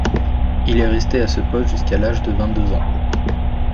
Il est resté à ce poste jusqu'à l'âge de vingt-deux ans.